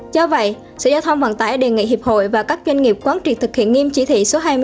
do vậy sở giao thông vận tải đề nghị hiệp hội và các doanh nghiệp quán triệt thực hiện nghiêm chỉ thị số hai mươi